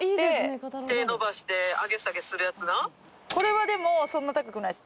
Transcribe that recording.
これはでもそんな高くないです。